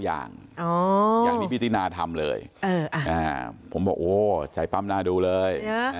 อย่างที่พี่ตินาทำเลยผมบอกโอ้ใจปั้มหน้าดูเลย